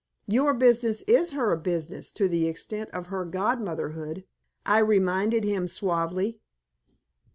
"Your business is her business to the extent of her godmotherhood," I reminded him, suavely.